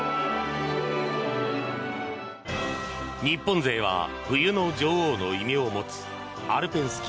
日本勢は冬の女王の異名を持つアルペン